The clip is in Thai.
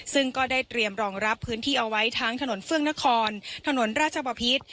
ซึ่งก็ได้เตรียมรองรับพื้นที่เอาไว้ทั้งถนนเฟื่องนครถนนราชบพิษ